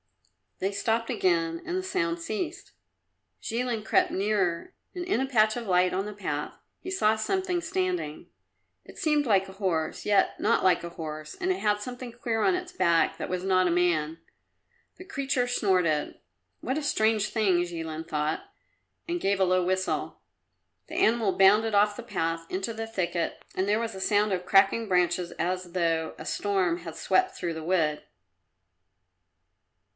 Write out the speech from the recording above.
They stopped again, and the sound ceased. Jilin crept nearer and in a patch of light on the path he saw something standing. It seemed like a horse, yet not like a horse, and it had something queer on its back that was not a man. The creature snorted. "What a strange thing!" Jilin thought, and gave a low whistle. The animal bounded off the path into the thicket and there was a sound of cracking branches as though a storm had swept through the wood.